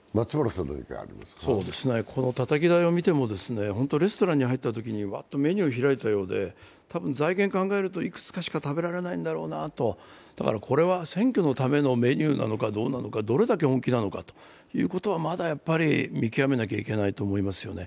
このたたき台を見ても、レストランに入ったときにワッとメニューを開いたようで多分、財源を考えるといくつかしか食べられないんだろうなと、これは選挙のためのメニューなのかどうなのか、どれだけ本気なのかということはまだ見極めなきゃいけないと思いますよね。